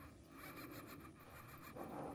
Enseñó astronomía en esta misma universidad de Kioto.